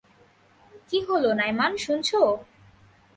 কী হলো, নাইমান, শুনছো?